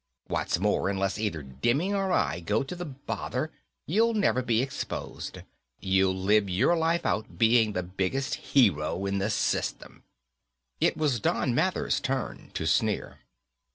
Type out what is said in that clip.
What's more, unless either Demming or I go to the bother, you'll never be exposed. You'll live your life out being the biggest hero in the system." It was Don Mathers' turn to sneer.